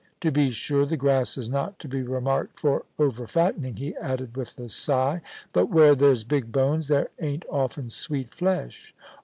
To be sure, the grass is not to be remarked for over fattening,' he added, with a sigh ;* but where there's big bonesy there ain't often sweet flesh.